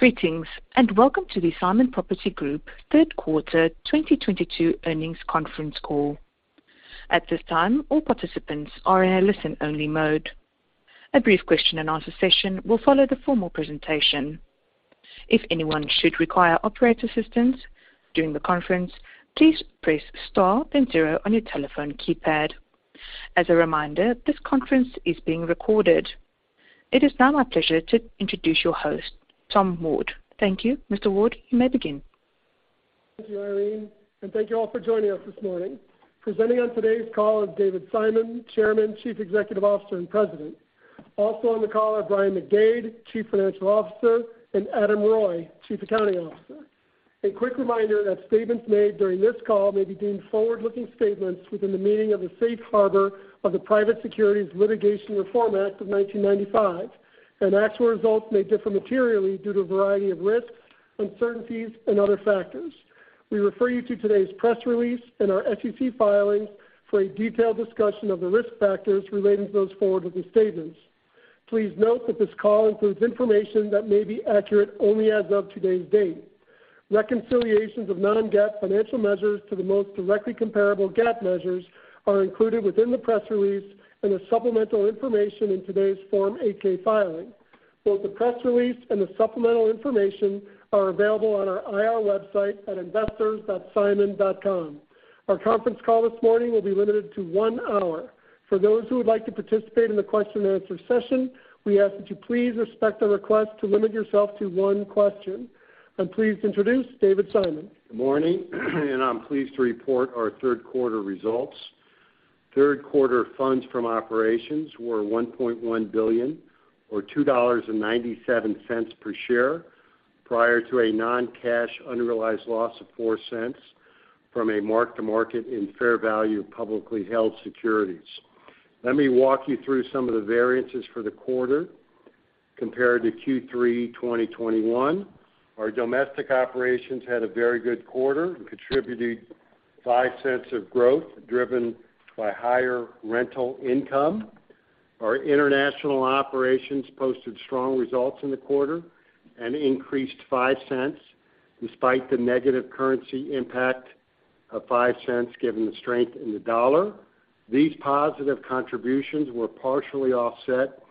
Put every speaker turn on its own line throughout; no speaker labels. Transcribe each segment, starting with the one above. Greetings, and welcome to the Simon Property Group Q3 2022 earnings conference call. At this time, all participants are in a listen-only mode. A brief question-and-answer session will follow the formal presentation. If anyone should require operator assistance during the conference, please press Star, then zero on your telephone keypad. As a reminder, this conference is being recorded. It is now my pleasure to introduce your host, Tom Ward. Thank you, Mr. Ward, you may begin.
Thank you, Irene, and thank you all for joining us this morning. Presenting on today's call is David Simon, Chairman, Chief Executive Officer, and President. Also on the call are Brian McDade, Chief Financial Officer, and Adam Reuille, Chief Accounting Officer. A quick reminder that statements made during this call may be deemed forward-looking statements within the meaning of the Safe Harbor of the Private Securities Litigation Reform Act of 1995. Actual results may differ materially due to a variety of risks, uncertainties, and other factors. We refer you to today's press release and our SEC filings for a detailed discussion of the risk factors relating to those forward-looking statements. Please note that this call includes information that may be accurate only as of today's date. Reconciliations of non-GAAP financial measures to the most directly comparable GAAP measures are included within the press release and the supplemental information in today's Form 8-K filing. Both the press release and the supplemental information are available on our IR website at investors.simon.com. Our conference call this morning will be limited to one hour. For those who would like to participate in the question-and-answer session, we ask that you please respect the request to limit yourself to one question. I'm pleased to introduce David Simon.
Good morning, and I'm pleased to report our Q3 results. Q3 funds from operations were $1.1 billion, or $2.97 per share, prior to a non-cash unrealized loss of $0.04 from a mark-to-market in fair value of publicly held securities. Let me walk you through some of the variances for the quarter compared to Q3 2021. Our domestic operations had a very good quarter and contributed $0.05 of growth, driven by higher rental income. Our international operations posted strong results in the quarter and increased $0.05 despite the negative currency impact of $0.05, given the strength in the dollar. These positive contributions were partially offset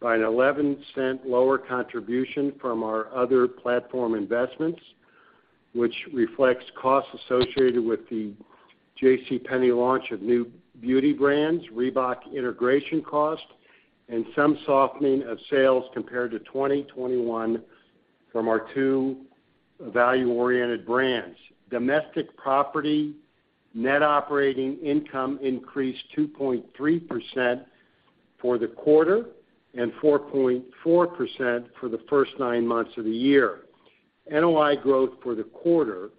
by an 11-cent lower contribution from our other platform investments, which reflects costs associated with the J.C. Penney. Penney launch of new beauty brands, Reebok integration cost, and some softening of sales compared to 2021 from our two value-oriented brands. Domestic property net operating income increased 2.3% for the quarter and 4.4% for the first nine months of the year. NOI growth for the quarter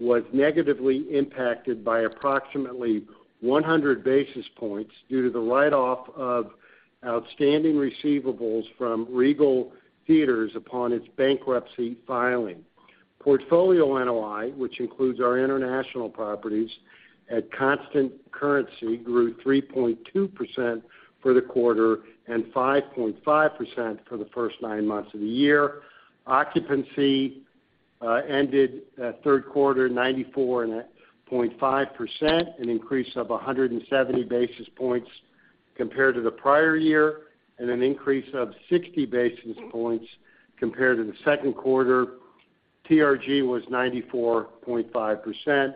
was negatively impacted by approximately 100 basis points due to the write-off of outstanding receivables from Regal Cinemas upon its bankruptcy filing. Portfolio NOI, which includes our international properties at constant currency, grew 3.2% for the quarter and 5.5% for the first nine months of the year. Occupancy ended the Q3 at 94.5%, an increase of 170 basis points compared to the prior year, and an increase of 60 basis points compared to the Q2. TRG was 94.5%.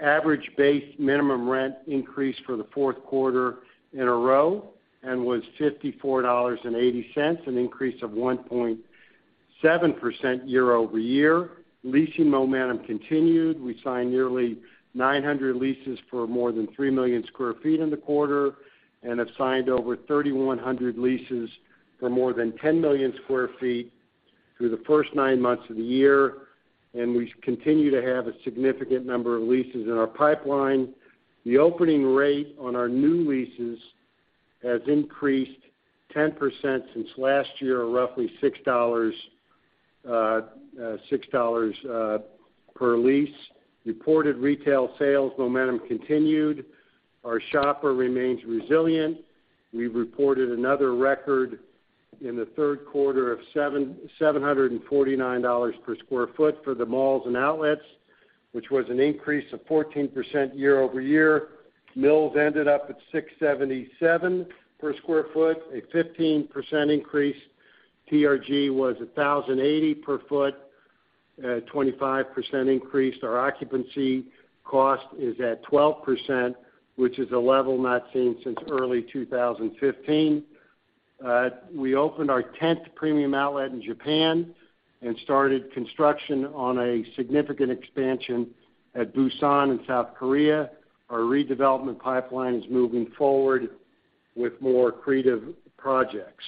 Average base minimum rent increased for the Q4 in a row and was $54.80, an increase of 1.7% year-over-year. Leasing momentum continued. We signed nearly 900 leases for more than three million sq ft in the quarter and have signed over 3,100 leases for more than 10 million sq ft through the first nine months of the year, and we continue to have a significant number of leases in our pipeline. The opening rate on our new leases has increased 10% since last year, or roughly $6 per lease. Reported retail sales momentum continued. Our shopper remains resilient. We reported another record in the Q3 of $749 per sq ft for the malls and outlets, which was an increase of 14% year-over-year. Mills ended up at $677 per sq ft, a 15% increase. TRG was 1,080 per sq ft, a 25% increase. Our occupancy cost is at 12%, which is a level not seen since early 2015. We opened our 10th Premium Outlet in Japan and started construction on a significant expansion at Busan in South Korea. Our redevelopment pipeline is moving forward with more creative projects.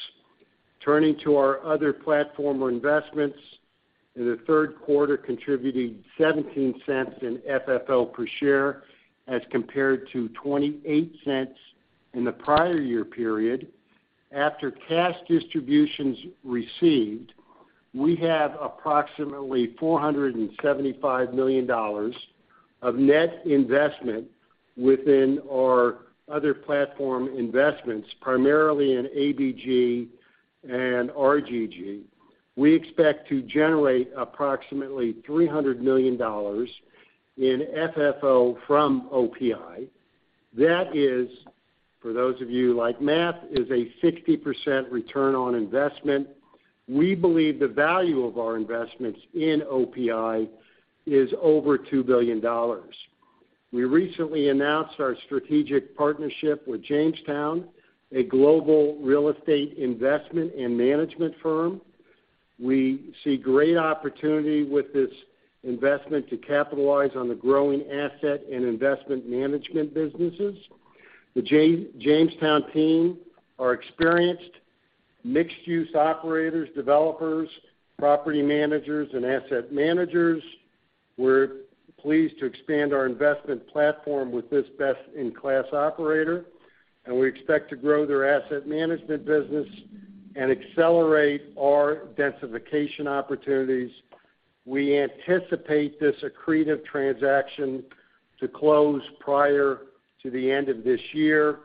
Turning to our other platform investments in the Q3, contributing $0.17 in FFO per share as compared to $0.28 in the prior year period. After cash distributions received, we have approximately $475 million of net investment within our other platform investments, primarily in ABG and RGG. We expect to generate approximately $300 million in FFO from OPI. That is, for those of you who like math, is a 60% return on investment. We believe the value of our investments in OPI is over $2 billion. We recently announced our strategic partnership with Jamestown, a global real estate investment and management firm. We see great opportunity with this investment to capitalize on the growing asset and investment management businesses. The Jamestown team are experienced mixed-use operators, developers, property managers, and asset managers. We're pleased to expand our investment platform with this best-in-class operator, and we expect to grow their asset management business and accelerate our densification opportunities. We anticipate this accretive transaction to close prior to the end of this year.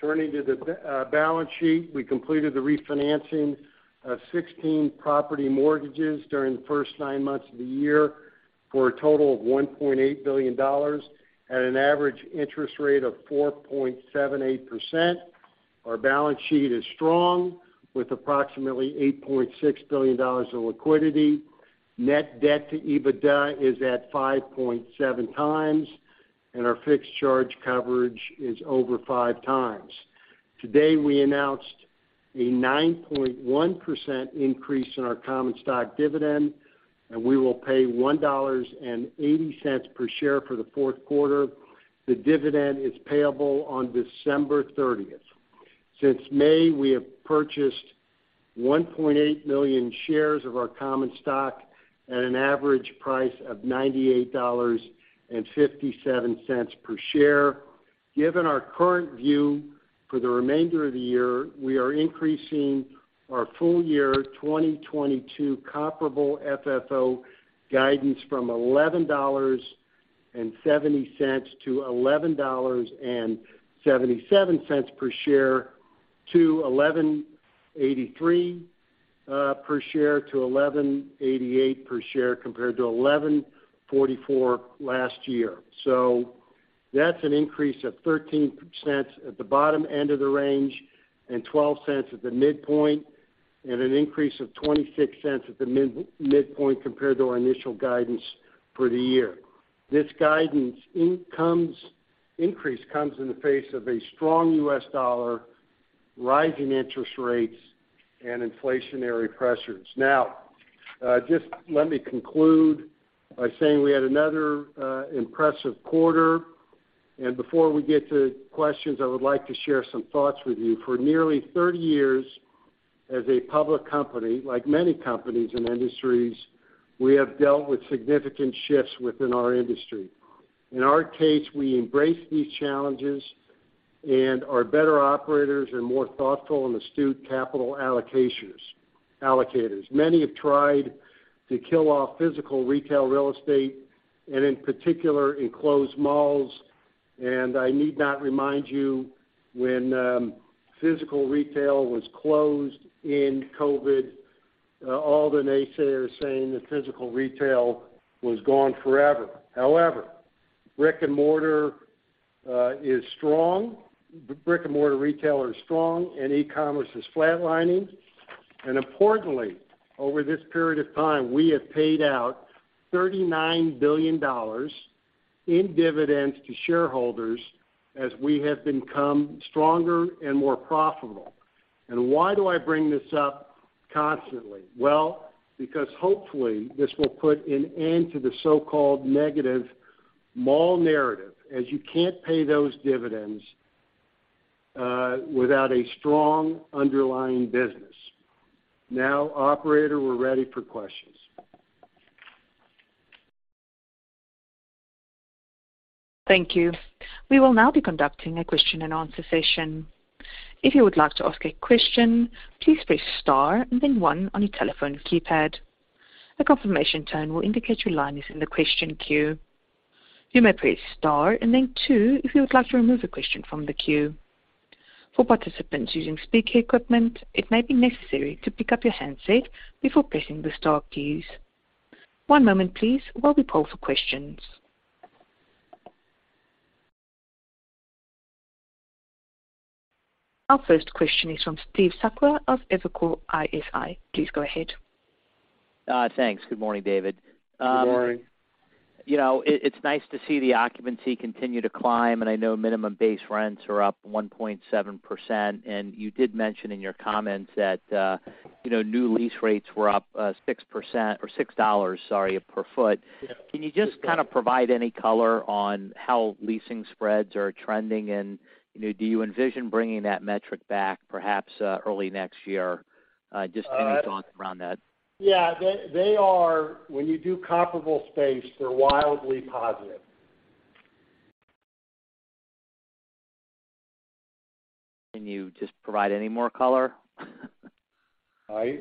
Turning to the balance sheet, we completed the refinancing of 16 property mortgages during the first nine months of the year for a total of $1.8 billion at an average interest rate of 4.78%. Our balance sheet is strong with approximately $8.6 billion in liquidity. Net debt to EBITDA is at 5.7x, and our fixed charge coverage is over 5x. Today, we announced a 9.1% increase in our common stock dividend, and we will pay $1.80 per share for the Q4. The dividend is payable on December 30th. Since May, we have purchased 1.8 million shares of our common stock at an average price of $98.57 per share. Given our current view for the remainder of the year, we are increasing our full year 2022 comparable FFO guidance from $11.70 to $11.77 per share to $11.83 per share to $11.88 per share compared to $11.44 last year. That's an increase of $0.13 cents at the bottom end of the range and $0.12 cents at the midpoint, and an increase of $0.26 cents at the midpoint compared to our initial guidance for the year. This guidance increase comes in the face of a strong U.S. dollar, rising interest rates, and inflationary pressures. Now, just let me conclude by saying we had another impressive quarter. Before we get to questions, I would like to share some thoughts with you. For nearly 30 years as a public company, like many companies and industries, we have dealt with significant shifts within our industry. In our case, we embrace these challenges and are better operators and more thoughtful and astute capital allocators. Many have tried to kill off physical retail real estate, and in particular, enclosed malls. I need not remind you when physical retail was closed in COVID, all the naysayers saying that physical retail was gone forever. However, brick-and-mortar is strong. The brick-and-mortar retailer is strong, and e-commerce is flatlining. Importantly, over this period of time, we have paid out $39 billion in dividends to shareholders as we have become stronger and more profitable. Why do I bring this up constantly? Well, because hopefully this will put an end to the so-called negative mall narrative, as you can't pay those dividends without a strong underlying business. Now, operator, we're ready for questions.
Thank you. We will now be conducting a question-and-answer session. If you would like to ask a question, please press star and then one on your telephone keypad. A confirmation tone will indicate your line is in the question queue. You may press star and then two if you would like to remove a question from the queue. For participants using speaker equipment, it may be necessary to pick up your handset before pressing the star keys. One moment please, while we poll for questions. Our first question is from Steve Sakwa of Evercore ISI. Please go ahead.
Thanks. Good morning, David.
Good morning.
You know, it's nice to see the occupancy continue to climb, and I know minimum base rents are up 1.7%. You did mention in your comments that, you know, new lease rates were up 6% or $6, sorry, per foot.
Yeah.
Can you just kind of provide any color on how leasing spreads are trending? You know, do you envision bringing that metric back perhaps early next year? Just any thoughts around that?
Yeah. They are when you do comparable space, they're wildly positive.
Can you just provide any more color?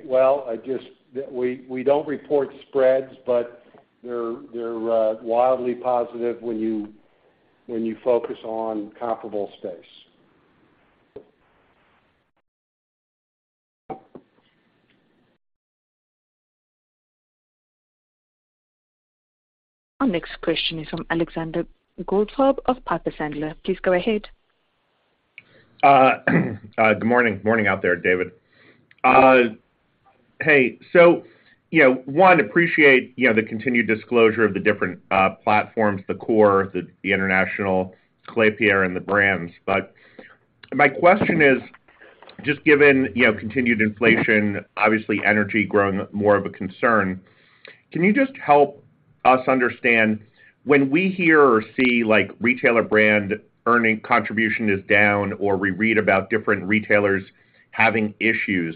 Well, we don't report spreads, but they're wildly positive when you focus on comparable space.
Our next question is from Alexander Goldfarb of Piper Sandler. Please go ahead.
Good morning. Morning out there, David. Hey, so, you know, I appreciate, you know, the continued disclosure of the different platforms, the core, the international, Klépierre, and the brands. My question is, just given, you know, continued inflation, obviously energy growing more of a concern, can you just help us understand, when we hear or see, like, retailer brand earnings contribution is down or we read about different retailers having issues,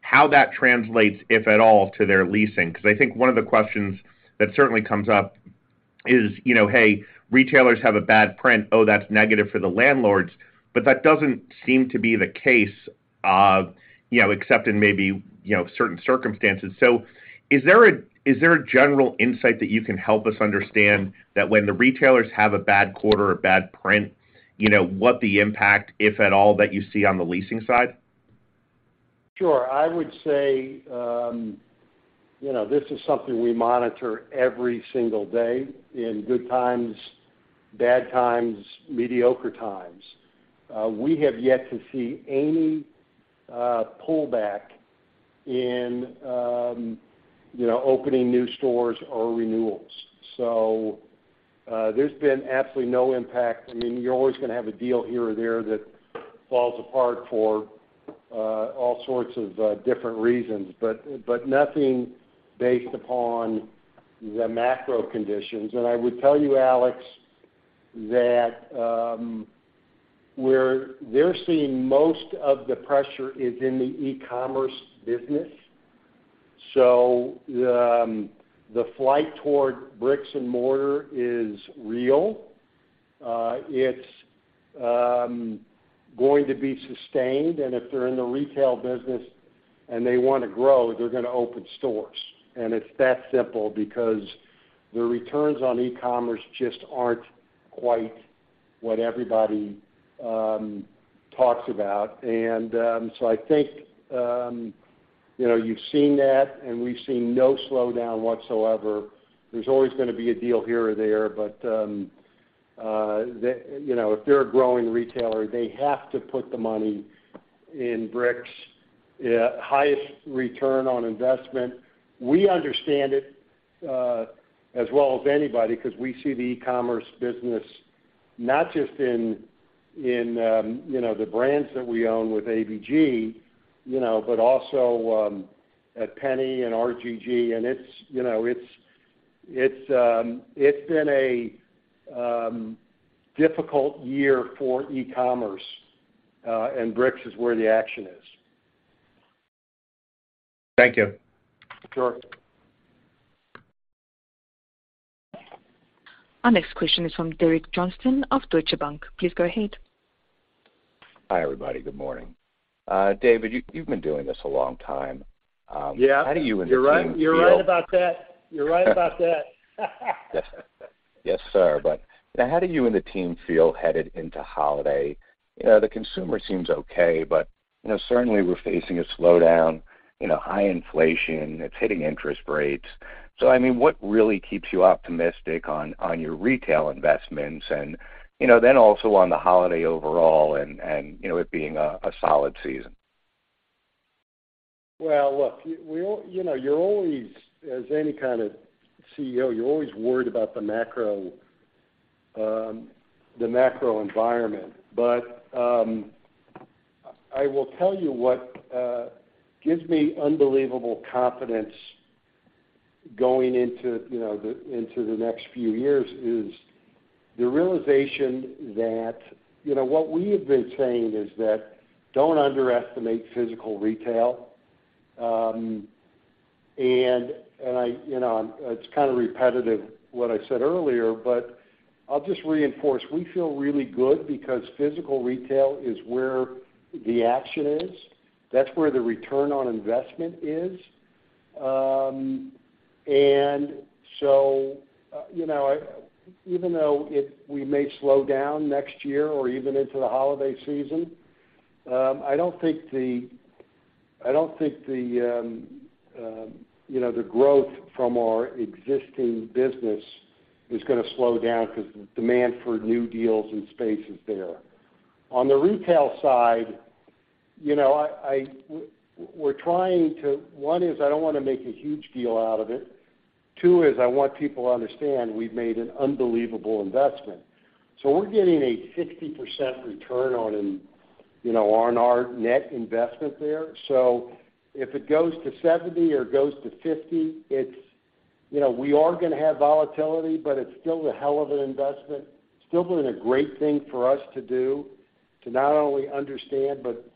how that translates, if at all, to their leasing? Because I think one of the questions that certainly comes up is, you know, hey, retailers have a bad print. Oh, that's negative for the landlords. That doesn't seem to be the case, you know, except in maybe, you know, certain circumstances. Is there a general insight that you can help us understand that when the retailers have a bad quarter or bad print, you know, what the impact, if at all, that you see on the leasing side?
Sure. I would say, you know, this is something we monitor every single day in good times, bad times, mediocre times. We have yet to see any pullback in, you know, opening new stores or renewals. There's been absolutely no impact. I mean, you're always gonna have a deal here or there that falls apart for all sorts of different reasons, but nothing based upon the macro conditions. I would tell you, Alex, that where they're seeing most of the pressure is in the e-commerce business. The flight toward bricks and mortar is real. It's going to be sustained. If they're in the retail business, and they wanna grow, they're gonna open stores. It's that simple because the returns on e-commerce just aren't quite what everybody talks about. I think, you know, you've seen that, and we've seen no slowdown whatsoever. There's always gonna be a deal here or there, but you know, if they're a growing retailer, they have to put the money in bricks. Highest return on investment. We understand it, as well as anybody because we see the e-commerce business, not just in the brands that we own with ABG, you know, but also at Penney and RGG. It's been a difficult year for e-commerce, and bricks is where the action is.
Thank you.
Sure.
Our next question is from Derek Johnston of Deutsche Bank. Please go ahead.
Hi, everybody. Good morning. David, you've been doing this a long time.
Yeah.
How do you and the team feel?
You're right about that.
Yes, yes, sir. Now how do you and the team feel headed into holiday? You know, the consumer seems okay, but, you know, certainly we're facing a slowdown, you know, high inflation, it's hitting interest rates. I mean, what really keeps you optimistic on your retail investments? You know, then also on the holiday overall and, you know, it being a solid season?
Well, look, you know, you're always, as any kind of CEO, you're always worried about the macro, the macro environment. I will tell you what gives me unbelievable confidence going into, you know, into the next few years is the realization that, you know, what we have been saying is that don't underestimate physical retail. I, you know, and it's kind of repetitive what I said earlier, but I'll just reinforce. We feel really good because physical retail is where the action is. That's where the return on investment is. You know, even though we may slow down next year or even into the holiday season, I don't think the growth from our existing business is gonna slow down because the demand for new deals and space is there. On the retail side, you know, we're trying to. One is, I don't wanna make a huge deal out of it. Two is, I want people to understand we've made an unbelievable investment. We're getting a 60% return on, you know, on our net investment there. If it goes to 70% or it goes to 50%, it's, you know, we are gonna have volatility, but it's still a hell of an investment, still been a great thing for us to do to not only understand but,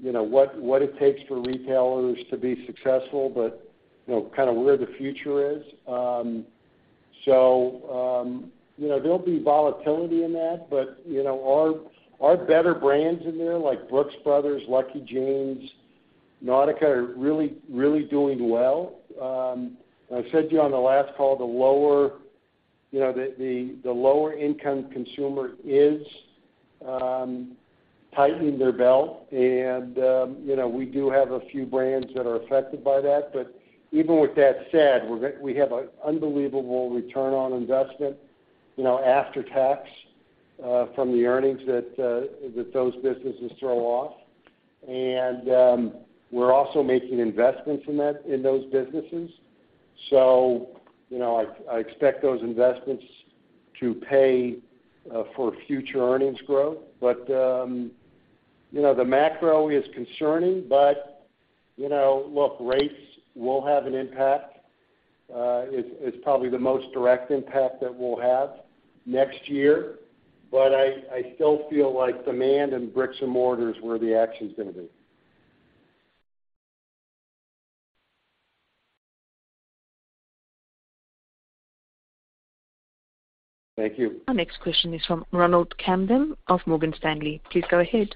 you know, what it takes for retailers to be successful but, you know, kind of where the future is. You know, there'll be volatility in that. You know, our better brands in there, like Brooks Brothers, Lucky Brand Jeans, Nautica, are really, really doing well. I said to you on the last call, the lower income consumer is tightening their belt and, you know, we do have a few brands that are affected by that. Even with that said, we have an unbelievable return on investment, you know, after tax, from the earnings that those businesses throw off. We're also making investments in that, in those businesses. You know, I expect those investments to pay for future earnings growth. You know, the macro is concerning, but, you know, look, rates will have an impact. It's probably the most direct impact that we'll have next year. I still feel like demand and bricks and mortar where the action's gonna be.
Thank you.
Our next question is from Ronald Kamdem of Morgan Stanley. Please go ahead.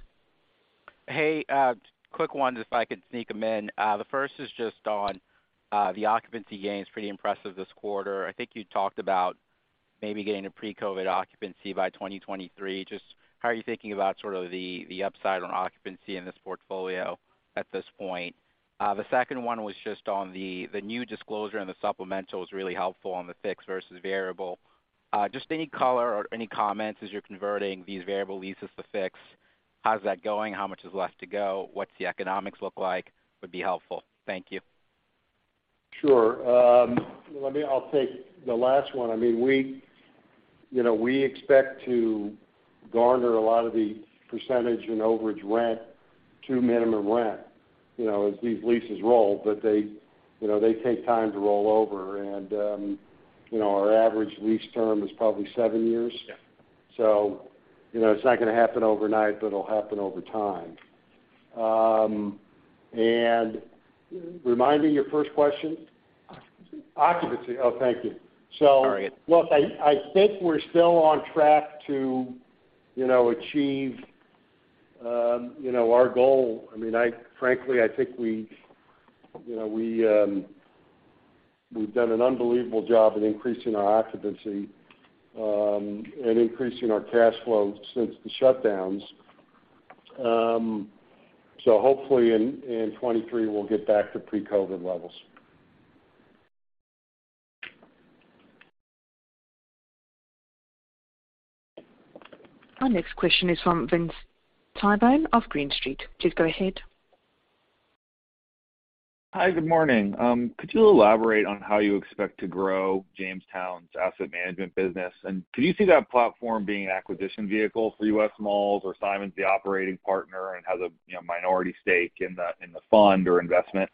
Hey. Quick ones if I could sneak them in. The first is just on the occupancy gains, pretty impressive this quarter. I think you talked about maybe getting a pre-COVID occupancy by 2023. Just how are you thinking about sort of the upside on occupancy in this portfolio at this point? The second one was just on the new disclosure, and the supplemental is really helpful on the fixed versus variable. Just any color or any comments as you're converting these variable leases to fixed. How's that going? How much is left to go? What's the economics look like? Would be helpful. Thank you.
Sure. I'll take the last one. I mean, we, you know, we expect to garner a lot of the percentage in overage rent to minimum rent, you know, as these leases roll. They, you know, they take time to roll over and, you know, our average lease term is probably seven years.
Yeah.
You know, it's not gonna happen overnight, but it'll happen over time. Remind me of your first question.
Occupancy.
Oh, thank you.
Sorry.
Look, I think we're still on track to, you know, achieve our goal. I mean, frankly, I think we, you know, we've done an unbelievable job at increasing our occupancy and increasing our cash flow since the shutdowns. Hopefully in 2023, we'll get back to pre-COVID levels.
Our next question is from Vince Tibone of Green Street. Please go ahead.
Hi, good morning. Could you elaborate on how you expect to grow Jamestown's asset management business? Can you see that platform being an acquisition vehicle for U.S. malls or Simon is the operating partner and has a, you know, minority stake in the fund or investment?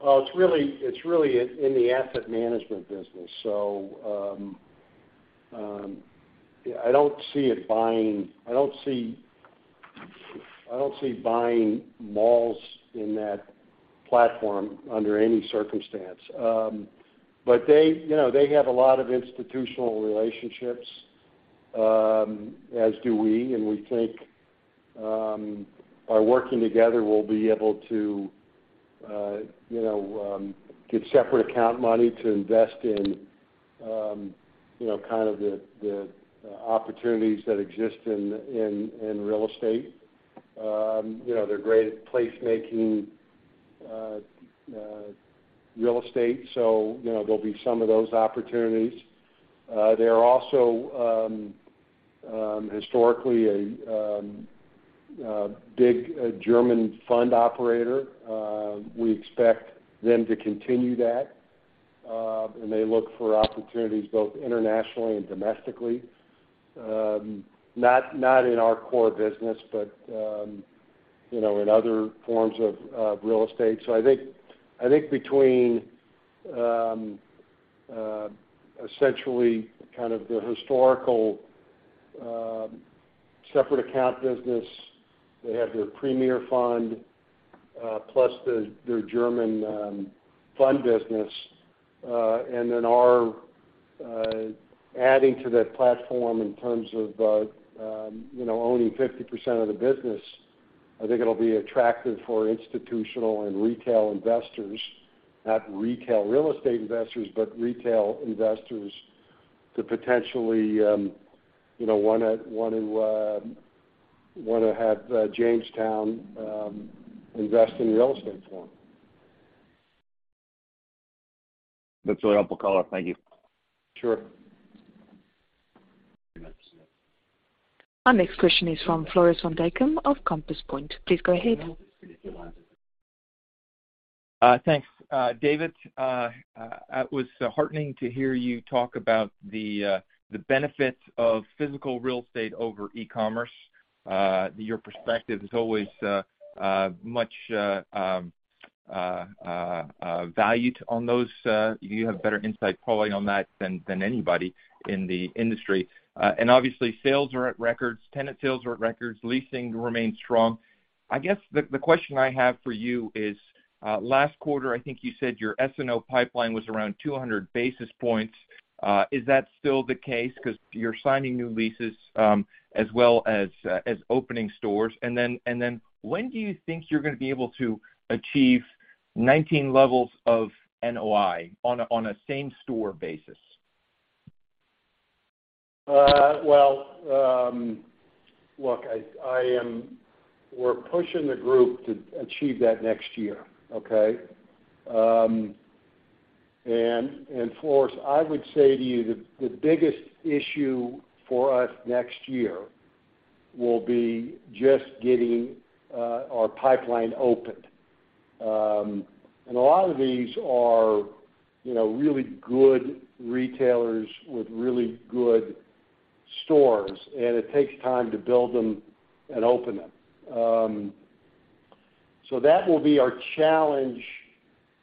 Well, it's really in the asset management business. I don't see buying malls in that platform under any circumstance. They, you know, have a lot of institutional relationships, as do we, and we think by working together, we'll be able to you know get separate account money to invest in you know kind of the opportunities that exist in real estate. You know, they're great at placemaking real estate, so you know, there'll be some of those opportunities. They're also historically a big German fund operator. We expect them to continue that, and they look for opportunities both internationally and domestically, not in our core business, but you know, in other forms of real estate. I think between essentially kind of the historical separate account business, they have their premier fund, plus their German fund business, and then our adding to that platform in terms of you know, owning 50% of the business, I think it will be attractive for institutional and retail investors. Not retail real estate investors, but retail investors to potentially you know, wanna have Jamestown invest in real estate for them.
That's a helpful call. Thank you.
Sure.
Our next question is from Floris van Dijkum of Compass Point. Please go ahead.
Thanks, David. It was heartening to hear you talk about the benefits of physical real estate over e-commerce. Your perspective is always much valued on those. You have better insight probably on that than anybody in the industry. Obviously, sales are at records, tenant sales are at records, leasing remains strong. I guess the question I have for you is, last quarter, I think you said your SNO pipeline was around 200 basis points. Is that still the case because you're signing new leases, as well as opening stores? When do you think you're gonna be able to achieve 19 levels of NOI on a same store basis?
We're pushing the group to achieve that next year, okay? Floris, I would say to you that the biggest issue for us next year will be just getting our pipeline opened. A lot of these are, you know, really good retailers with really good stores, and it takes time to build them and open them. That will be our challenge.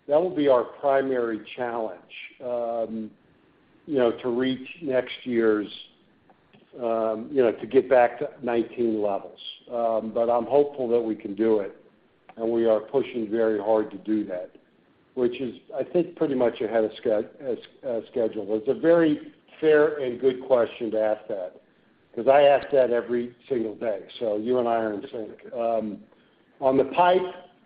That will be our primary challenge, you know, to reach next year's, you know, to get back to 2019 levels. I'm hopeful that we can do it, and we are pushing very hard to do that, which is, I think, pretty much ahead of schedule. It's a very fair and good question to ask that because I ask that every single day. You and I are in sync. On the pipe.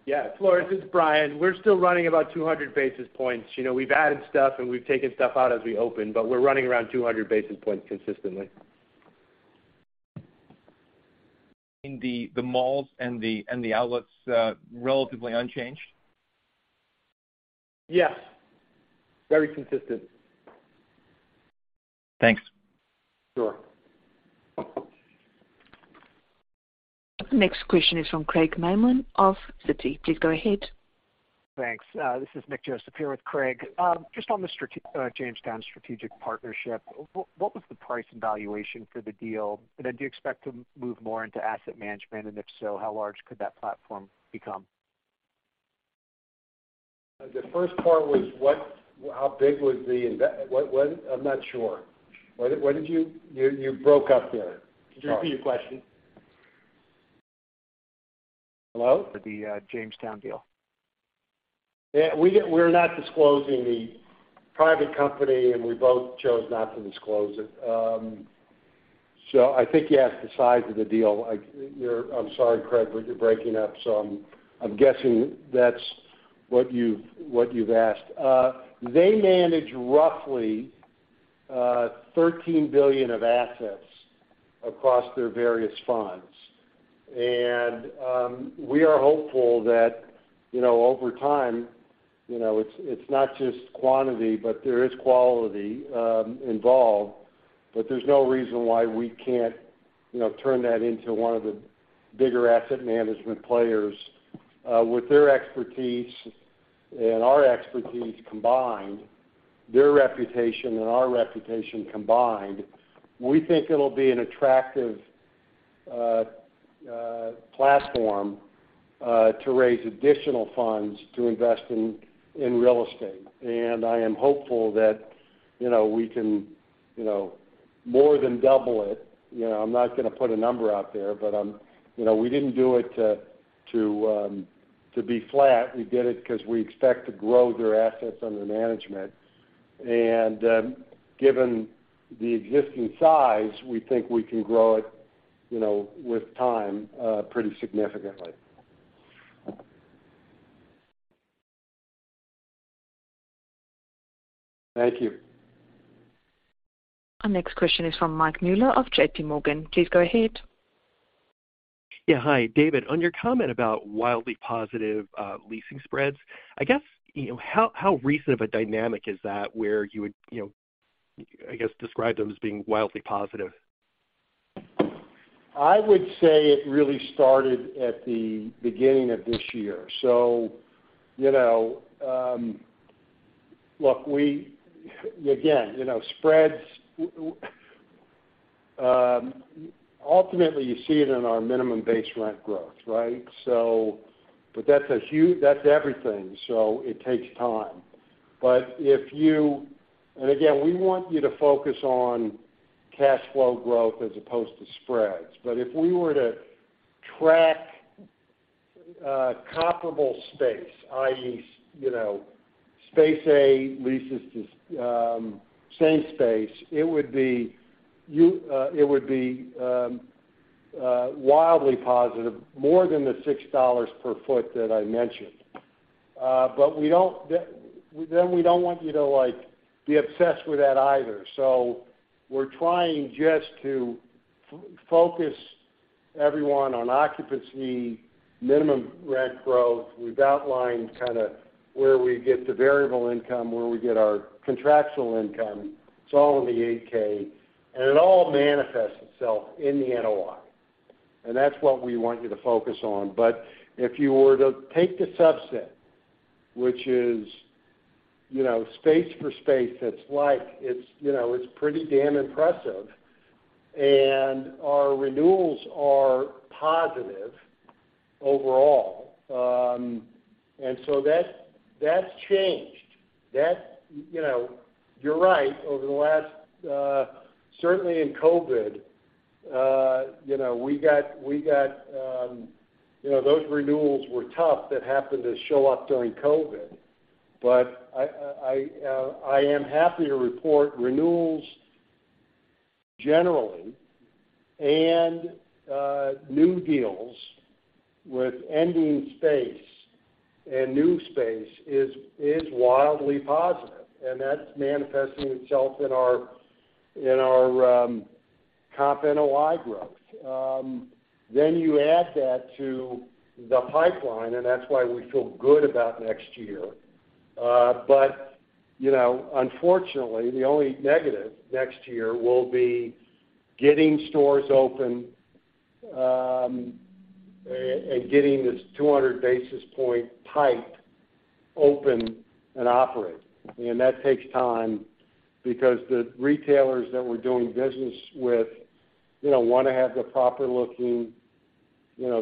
Yes, Floris, this is Brian. We're still running about 200 basis points. You know, we've added stuff, and we've taken stuff out as we open, but we're running around 200 basis points consistently.
In the malls and the outlets, relatively unchanged?
Yes. Very consistent.
Thanks.
Sure.
Next question is from Craig Mailman of Citi. Please go ahead.
Thanks. This is Nick Joseph here with Craig. Just on the Jamestown strategic partnership, what was the price and valuation for the deal? Do you expect to move more into asset management? If so, how large could that platform become?
What? I'm not sure. You broke up there. Could you repeat your question? Hello?
The Jamestown deal.
Yeah, we're not disclosing the private company, and we both chose not to disclose it. So I think you asked the size of the deal. I'm sorry, Craig, but you're breaking up, so I'm guessing that's what you've asked. They manage roughly $13 billion of assets across their various funds. We are hopeful that over time it's not just quantity, but there is quality involved. But there's no reason why we can't turn that into one of the bigger asset management players with their expertise and our expertise combined, their reputation and our reputation combined. We think it'll be an attractive platform to raise additional funds to invest in real estate. I am hopeful that, you know, we can, you know, more than double it. You know, I'm not gonna put a number out there, but you know, we didn't do it to be flat. We did it because we expect to grow their assets under management. Given the existing size, we think we can grow it, you know, with time, pretty significantly. Thank you.
Our next question is from Michael Mueller of JPMorgan. Please go ahead.
Yeah, hi. David, on your comment about wildly positive leasing spreads, I guess, you know, how recent of a dynamic is that where you would, you know, I guess, describe them as being wildly positive?
I would say it really started at the beginning of this year. You know, look, again, you know, spreads ultimately you see it in our minimum base rent growth, right? But that's a huge. That's everything, so it takes time. Again, we want you to focus on cash flow growth as opposed to spreads. If we were to track comparable space, i.e., you know, space A leases to same space, it would be wildly positive, more than the $6 per foot that I mentioned. But we don't. Then we don't want you to, like, be obsessed with that either. We're trying just to focus everyone on occupancy, minimum rent growth. We've outlined kind of where we get the variable income, where we get our contractual income. It's all in the 8-K, and it all manifests itself in the NOI. That's what we want you to focus on. If you were to take the subset, which is, you know, space for space that's like, it's, you know, it's pretty damn impressive, and our renewals are positive overall. That's changed. That's, you know, you're right, over the last, certainly in COVID, you know, we got those renewals were tough that happened to show up during COVID. I am happy to report renewals generally and new deals with ending space and new space is wildly positive, and that's manifesting itself in our comp NOI growth. You add that to the pipeline, and that's why we feel good about next year. Unfortunately, the only negative next year will be getting stores open and getting this 200 basis point pipe open and operating. That takes time because the retailers that we're doing business with, you know, wanna have the proper looking store. You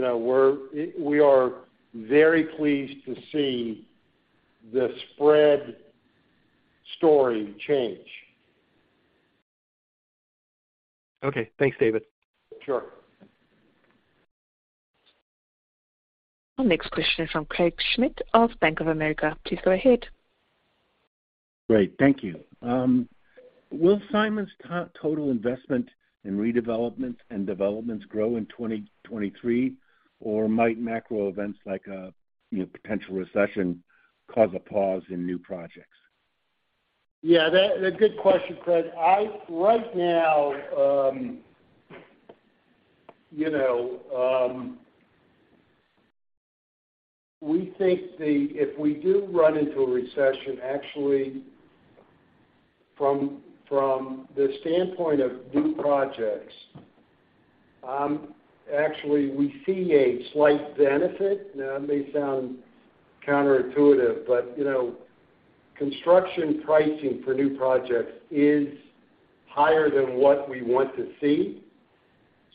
know, we are very pleased to see the spread story change.
Okay. Thanks, David.
Sure.
Our next question is from Craig Schmidt of Bank of America. Please go ahead.
Great. Thank you. Will Simon's total investment in redevelopments and developments grow in 2023, or might macro events like, you know, potential recession cause a pause in new projects?
A good question, Craig. Right now, you know, we think if we do run into a recession, actually from the standpoint of new projects, actually we see a slight benefit. Now, it may sound counterintuitive, but, you know, construction pricing for new projects is higher than what we want to see.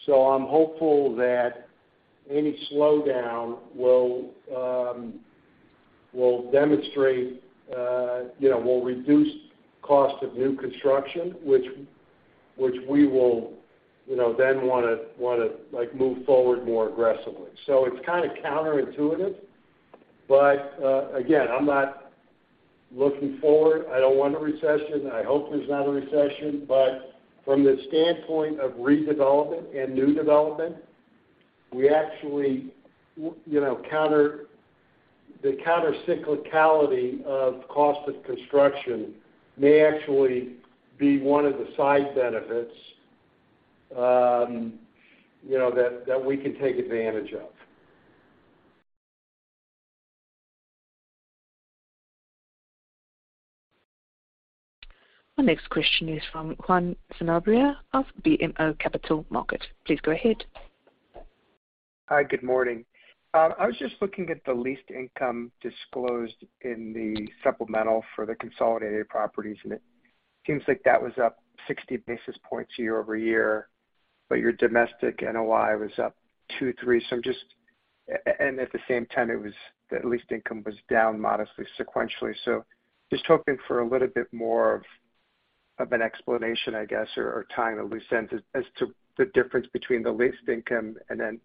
So I'm hopeful that any slowdown will demonstrate, you know, will reduce cost of new construction, which we will, you know, then wanna, like, move forward more aggressively. So it's kinda counterintuitive, but, again, I'm not looking forward. I don't want a recession. I hope there's not a recession. But from the standpoint of redevelopment and new development, we actually see a slight benefit. The countercyclicality of cost of construction may actually be one of the side benefits, you know, that we can take advantage of.
Our next question is from Juan Sanabria of BMO Capital Markets. Please go ahead.
Hi. Good morning. I was just looking at the lease income disclosed in the supplemental for the consolidated properties, and it seems like that was up 60 basis points year-over-year, but your domestic NOI was up 2.3%. At the same time, the lease income was down modestly sequentially. Just hoping for a little bit more of an explanation, I guess, or tying a loose end as to the difference between the lease income and then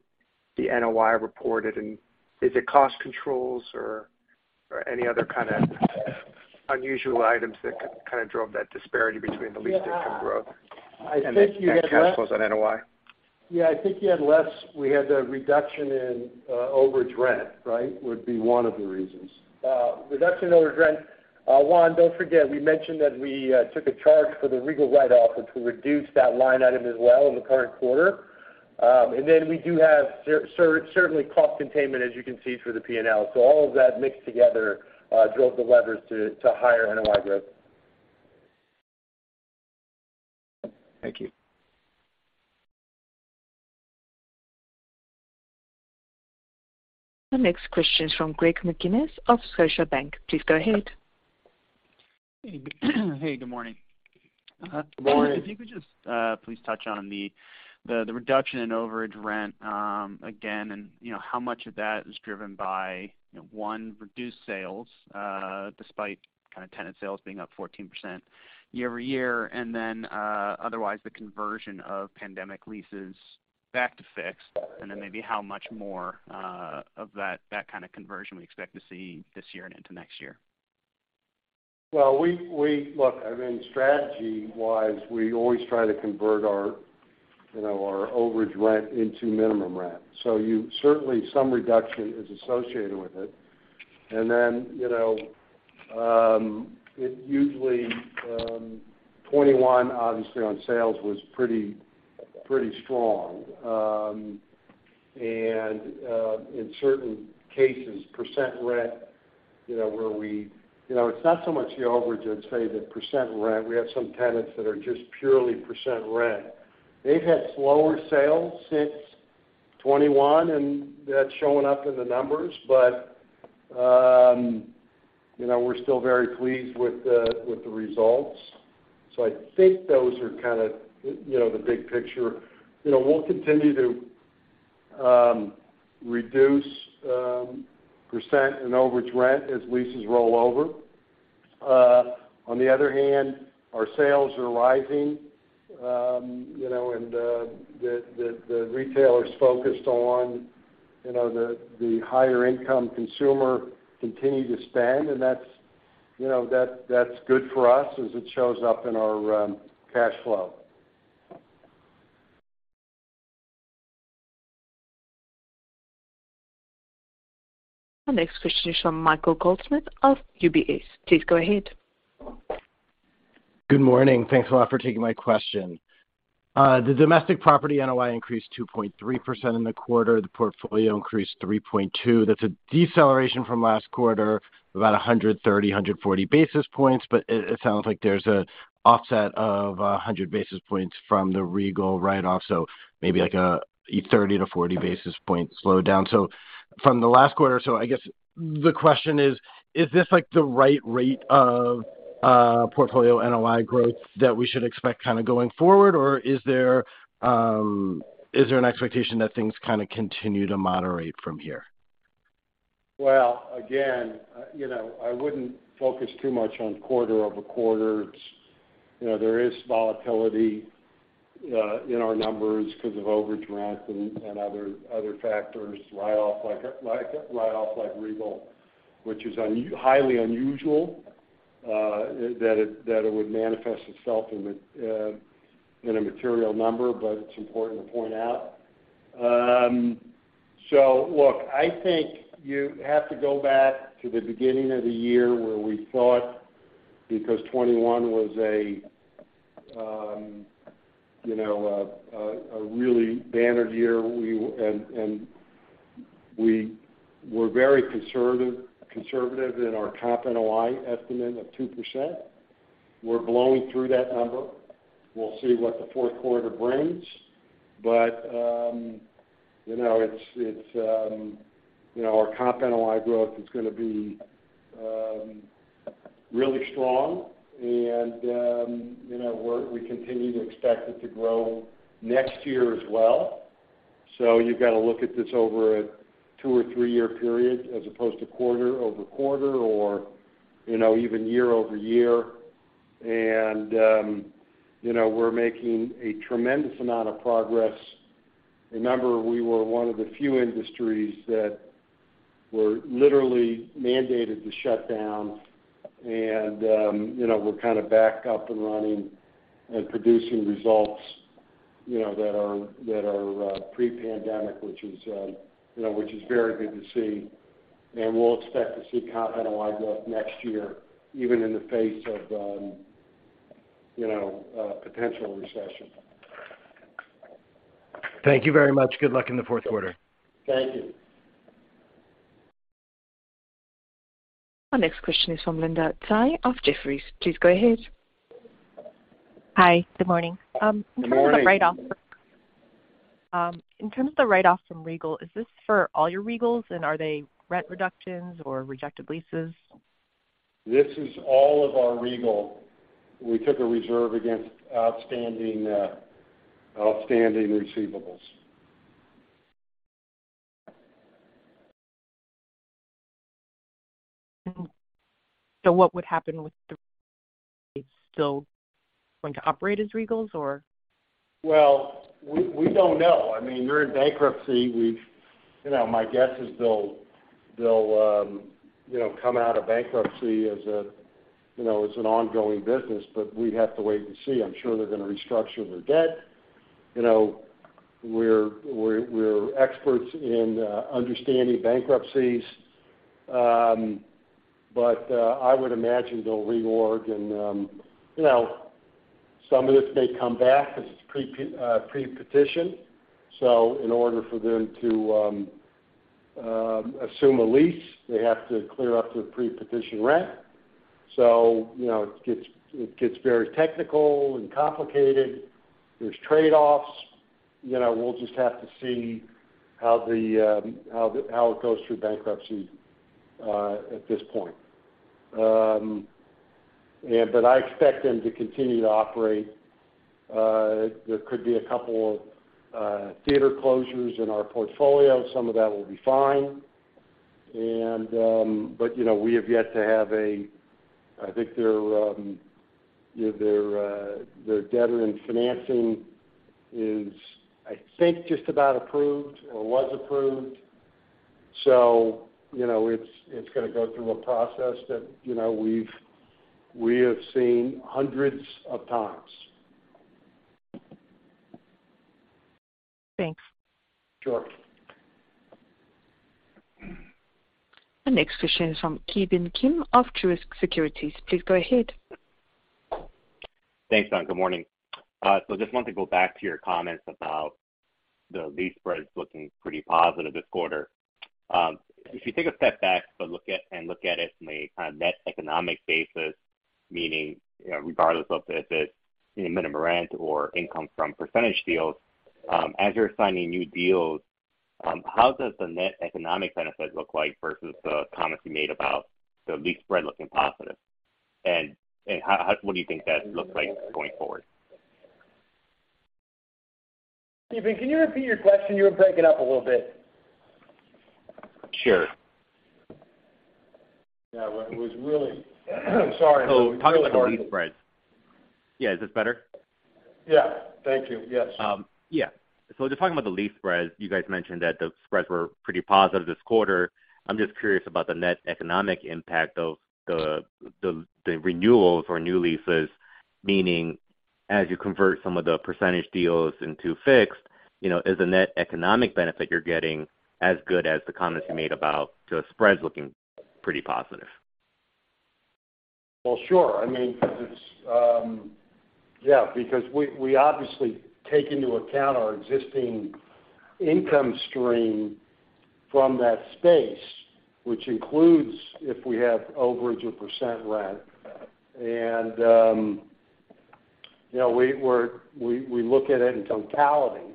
the NOI reported. Is it cost controls or any other kind of unusual items that kind of drove that disparity between the lease income growth?
Yeah. I think you had less.
That cancels on NOI?
Yeah, I think we had a reduction in overage rent, right? Would be one of the reasons.
Reduction in overage rent. Juan, don't forget, we mentioned that we took a charge for the Regal write-off, which will reduce that line item as well in the current quarter. We do have certainly cost containment, as you can see through the P&L. All of that mixed together drove the levers to higher NOI growth.
Thank you.
Our next question is from Greg McGinniss of Scotiabank. Please go ahead.
Hey, good morning.
Good morning.
If you could just please touch on the reduction in overage rent, again, and you know, how much of that is driven by, you know, one, reduced sales, despite kind of tenant sales being up 14% year-over-year, and then otherwise, the conversion of pandemic leases back to fixed, and then maybe how much more of that kind of conversion we expect to see this year and into next year.
Well, Look, I mean, strategy-wise, we always try to convert our, you know, our overage rent into minimum rent. Certainly some reduction is associated with it. You know, it usually 2021 obviously on sales was pretty strong. In certain cases, percentage rent, you know, it's not so much the overage, I'd say the percentage rent. We have some tenants that are just purely percentage rent. They've had slower sales since 2021, and that's showing up in the numbers. You know, we're still very pleased with the results. I think those are kind of, you know, the big picture. You know, we'll continue to reduce percentage and overage rent as leases roll over. On the other hand, our sales are rising, you know, and the retailers focused on, you know, the higher income consumer continue to spend. That's, you know, that's good for us as it shows up in our cash flow.
Our next question is from Michael Goldsmith of UBS. Please go ahead.
Good morning. Thanks a lot for taking my question. The domestic property NOI increased 2.3% in the quarter. The portfolio increased 3.2%. That's a deceleration from last quarter, about 130-140 basis points. It sounds like there's an offset of 100 basis points from the Regal write-off, so maybe like a 30-40 basis point slowdown from the last quarter. I guess the question is this like the right rate of portfolio NOI growth that we should expect kinda going forward? Or is there an expectation that things kinda continue to moderate from here?
Well, again, you know, I wouldn't focus too much on quarter-over-quarter. You know, there is volatility in our numbers because of overage rent and other factors like a write-off like Regal, which is highly unusual that it would manifest itself in a material number, but it's important to point out. Look, I think you have to go back to the beginning of the year where we thought because 2021 was a, you know, a really banner year. We were very conservative in our top NOI estimate of 2%. We're blowing through that number. We'll see what the Q4 brings. You know, it's our top NOI growth is gonna be really strong and you know, we continue to expect it to grow next year as well. You've got to look at this over a two- or three-year period as opposed to quarter-over-quarter or, you know, even year-over-year. You know, we're making a tremendous amount of progress. Remember, we were one of the few industries that were literally mandated to shut down. You know, we're kind of back up and running and producing results, you know, that are pre-pandemic, which is very good to see. We'll expect to see top NOI growth next year, even in the face of you know, a potential recession.
Thank you very much. Good luck in the Q4.
Thank you.
Our next question is from Linda Tsai of Jefferies. Please go ahead.
Hi. Good morning.
Good morning.
In terms of the write-off from Regal, is this for all your Regals, and are they rent reductions or rejected leases?
This is all of our Regal. We took a reserve against outstanding receivables.
What would happen with the Regal? Are they still going to operate as Regals or?
Well, we don't know. I mean, they're in bankruptcy. We've you know, my guess is they'll you know, come out of bankruptcy as a you know, as an ongoing business, but we'd have to wait to see. I'm sure they're gonna restructure their debt. You know, we're experts in understanding bankruptcies. I would imagine they'll reorg and you know, some of this may come back because it's pre-petition. In order for them to assume a lease, they have to clear up the pre-petition rent. You know, it gets very technical and complicated. There's trade-offs. You know, we'll just have to see how it goes through bankruptcy at this point. I expect them to continue to operate. There could be a couple of theater closures in our portfolio. Some of that will be fine. You know, I think their debt and financing is, I think, just about approved or was approved. You know, it's gonna go through a process that, you know, we have seen hundreds of times.
Thanks.
Sure.
The next question is from Ki Bin Kim of Truist Securities. Please go ahead.
Thanks, Don. Good morning. So just want to go back to your comments about the lease spreads looking pretty positive this quarter. If you take a step back to look at it from a kind of net economic basis, meaning, you know, regardless of if it's minimum rent or income from percentage deals, as you're signing new deals, how does the net economic benefit look like versus the comments you made about the lease spread looking positive? How, what do you think that looks like going forward?
Ki Bin Kim, can you repeat your question? You were breaking up a little bit.
Sure.
Yeah. I'm sorry. It was really hard to
Talking about the lease spreads. Yeah. Is this better?
Yeah. Thank you. Yes.
Yeah. Just talking about the lease spreads, you guys mentioned that the spreads were pretty positive this quarter. I'm just curious about the net economic impact of the renewals or new leases, meaning as you convert some of the percentage deals into fixed, you know, is the net economic benefit you're getting as good as the comments you made about the spreads looking pretty positive?
Well, sure. I mean, because we obviously take into account our existing income stream from that space, which includes if we have overage or percent rent. You know, we look at it in totality,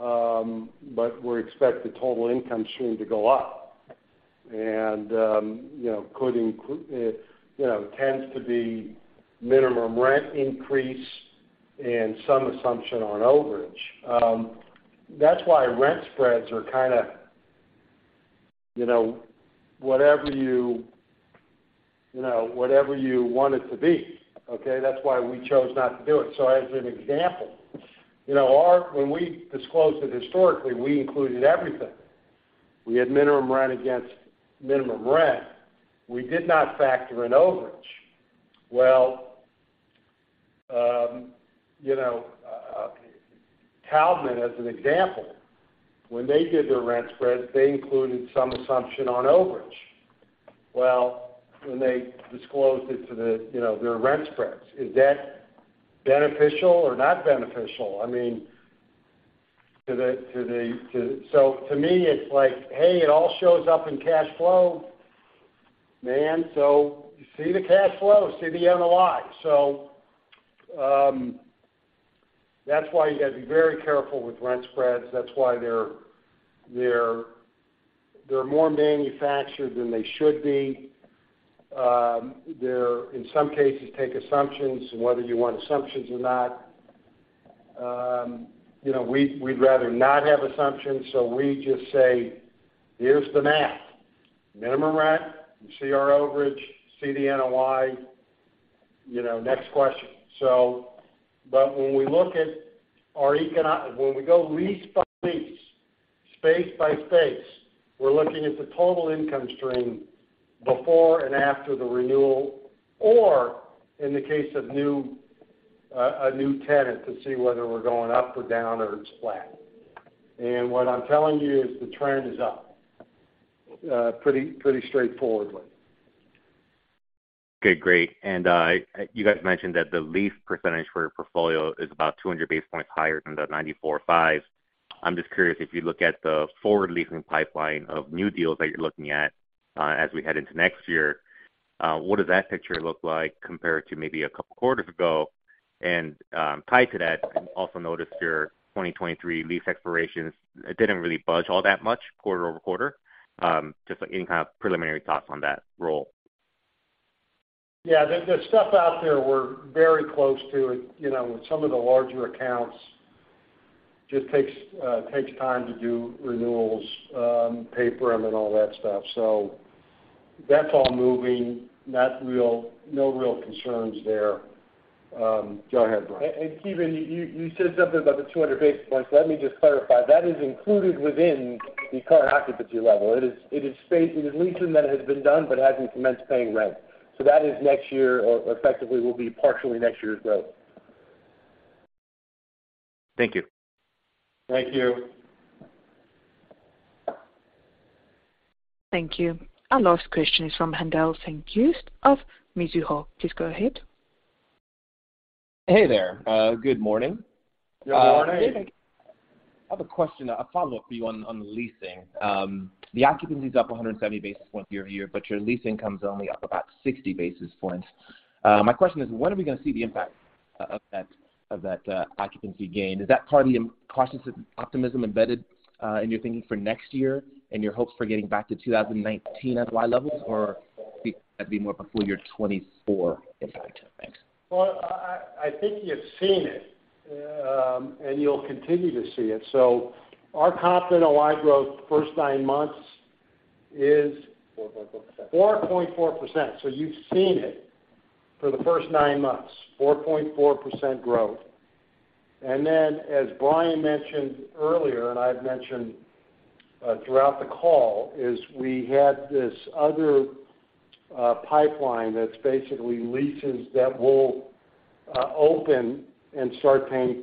but we expect the total income stream to go up. You know, could include, you know, tends to be minimum rent increase and some assumption on overage. That's why rent spreads are kinda, you know, whatever you want it to be, okay? That's why we chose not to do it. As an example, you know, when we disclosed it historically, we included everything. We had minimum rent against minimum rent. We did not factor in overage. You know, Taubman, as an example, when they did their rent spreads, they included some assumption on overage. Well, when they disclosed it, you know, their rent spreads, is that beneficial or not beneficial? To me, it's like, hey, it all shows up in cash flow, man. See the cash flow, see the NOI. That's why you gotta be very careful with rent spreads. That's why they're more manufactured than they should be. They're, in some cases, take assumptions and whether you want assumptions or not. You know, we'd rather not have assumptions, so we just say, "Here's the math. Minimum rent. You see our overage, see the NOI, you know, next question." When we look at our when we go lease by lease, space by space, we're looking at the total income stream before and after the renewal, or in the case of new, a new tenant, to see whether we're going up or down or it's flat. What I'm telling you is the trend is up, pretty straightforwardly.
Okay. Great. You guys mentioned that the lease percentage for your portfolio is about 200 basis points higher than the 94.5%. I'm just curious if you look at the forward leasing pipeline of new deals that you're looking at, as we head into next year, what does that picture look like compared to maybe a couple quarters ago? Tied to that, I also noticed your 2023 lease expirations didn't really budge all that much quarter-over-quarter. Just like any kind of preliminary thoughts on that roll.
Yeah. The stuff out there, we're very close to it. You know, some of the larger accounts just takes time to do renewals, paper 'em and all that stuff. That's all moving. No real concerns there. Go ahead, Brian.
Ki Bin, you said something about the 200 basis points. Let me just clarify, that is included within the current occupancy level. It is leasing that has been done but hasn't commenced paying rent. That is next year or effectively will be partially next year's growth.
Thank you.
Thank you.
Thank you. Our last question is from Haendel St. Juste of Mizuho. Please go ahead.
Hey there. Good morning.
Good morning.
I have a question, a follow-up for you on the leasing. The occupancy is up 170 basis points year-over-year, but your leasing comes only up about 60 basis points. My question is, when are we gonna see the impact of that occupancy gain? Is that part of the cautious optimism embedded in your thinking for next year and your hopes for getting back to 2019 NOI levels, or that'd be more of a full year 2024 impact? Thanks.
Well, I think you've seen it, and you'll continue to see it. Our comp NOI growth first nine months is.
4.4%.
4.4%. You've seen it for the first nine months, 4.4% growth. As Brian mentioned earlier, and I've mentioned throughout the call, we had this other pipeline that's basically leases that will open and start paying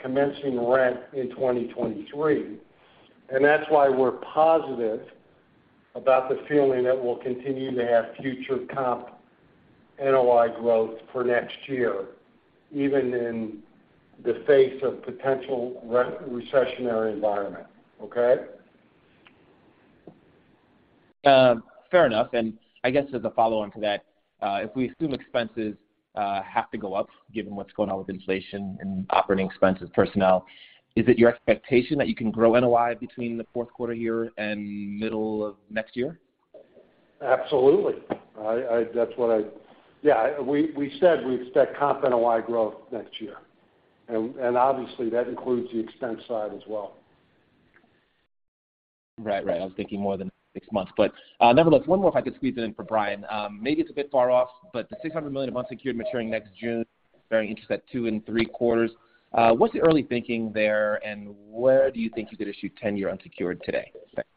commencing rent in 2023. That's why we're positive about the feeling that we'll continue to have future comp NOI growth for next year, even in the face of potential recessionary environment. Okay?
Fair enough. I guess as a follow-on to that, if we assume expenses have to go up, given what's going on with inflation and operating expenses, personnel, is it your expectation that you can grow NOI between the Q4 here and middle of next year?
Absolutely. That's what I. Yeah. We said we expect comp NOI growth next year. Obviously that includes the expense side as well.
Right. I was thinking more than six months. Nevertheless, one more if I could squeeze it in for Brian. Maybe it's a bit far off, but the $600 million of unsecured maturing next June, bearing interest at 2.75, what's the early thinking there, and where do you think you could issue 10-year unsecured today? Thanks.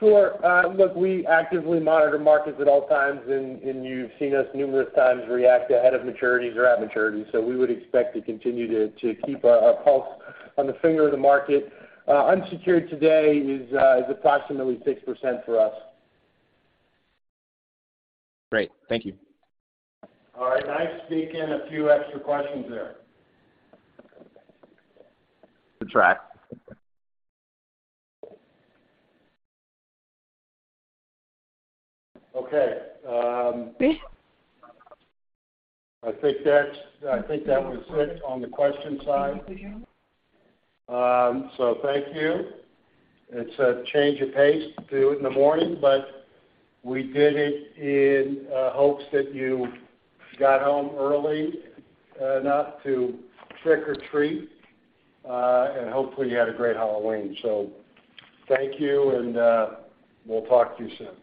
Sure. Look, we actively monitor markets at all times, and you've seen us numerous times react ahead of maturities or at maturities. We would expect to continue to keep our finger on the pulse of the market. Unsecured today is approximately 6% for us.
Great. Thank you.
All right. Nice to squeak in a few extra questions there.
Good try.
Okay. I think that was it on the question side. Thank you. It's a change of pace to do it in the morning, but we did it in hopes that you got home early enough to trick or treat, and hopefully you had a great Halloween. Thank you, and we'll talk to you soon.